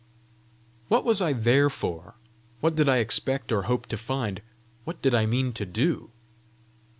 What was I there for? what did I expect or hope to find? what did I mean to do?